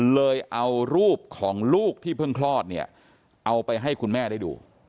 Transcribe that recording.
เลยเอารูปของลูกที่เพิ่งคลอดเนี่ยเอาไปให้คุณแม่ได้ดู